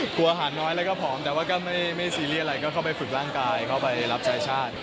กลัวอาหารน้อยแล้วก็ผอมแต่ว่าก็ไม่ซีเรียสอะไรก็เข้าไปฝึกร่างกายเข้าไปรับชายชาติ